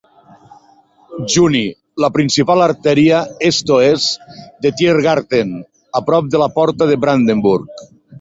Juni, la principal artèria est-oest de Tiergarten, a prop de la Porta de Brandenburg.